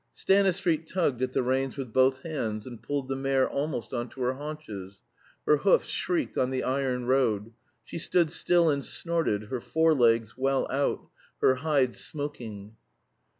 Stanistreet tugged at the reins with both hands and pulled the mare almost on to her haunches; her hoofs shrieked on the iron road; she stood still and snorted, her forelegs well out, her hide smoking.